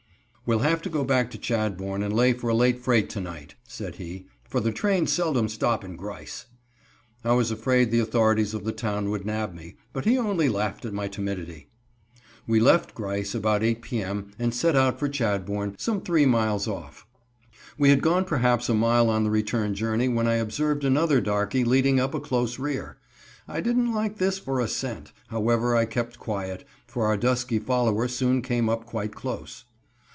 "We'll have to go back to Chadbourn and lay for a late freight to night," said he, "for the trains seldom stop in Grice." I was afraid the authorities of the town would nab me, but he only laughed at my timidity. We left Grice about 8 p. m. and set out for Chadbourn, some three miles off. We had gone perhaps a mile on the return journey when I observed another darkey leading up a close rear. I didn't like this for a cent, however I kept quiet, and our dusky follower soon came up quite close.